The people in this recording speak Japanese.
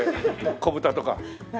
子豚とか。